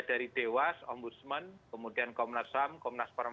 apakah dalam bentuk kepres nanti karena kalau yang pengangkatan pkkpk kan sk sekjen itu